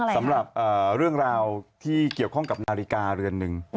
สำหรับเรื่องราวที่เกี่ยวข้องกับนาฬิกาเรือนหนึ่ง